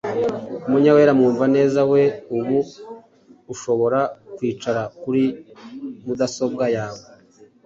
Munyawera:Mwumvaneza we, ubu ushobora kwicara kuri mudasobwa yawe